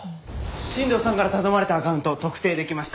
新藤さんから頼まれたアカウント特定できました。